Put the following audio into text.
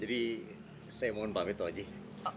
jadi saya mohon bapak betul aja